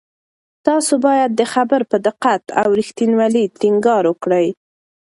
تاسو باید د خبر په دقت او رښتینولۍ ټینګار وکړئ.